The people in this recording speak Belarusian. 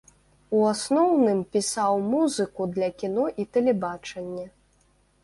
У асноўным пісаў музыку для кіно і тэлебачання.